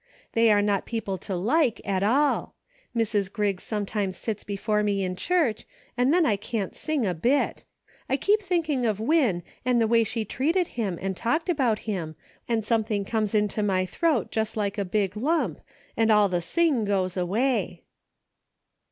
They are not people to like at all. Mrs. Griggs some times sits before me in church, and then I can't sing a bit. I keep thinking of Win and the way she treated him and talked about him, and some thing comes into my throat just like a big lump, and all the sing goes away."